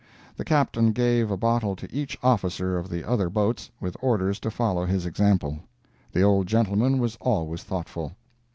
The Captain gave a bottle to each officer of the other boats, with orders to follow his example. The old gentleman was always thoughtful.